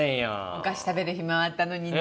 お菓子食べる暇はあったのにね。